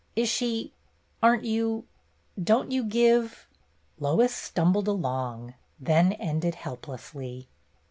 Is she — are n't you — don't you give —" Lois stumbled along, then ended helplessly.